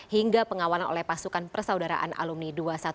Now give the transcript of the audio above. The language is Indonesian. hingga pengawanan oleh pasukan persaudaraan alumni dua ratus dua belas